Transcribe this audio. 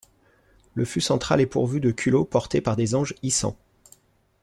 Le fût central est pourvu de culots portés par des anges issants.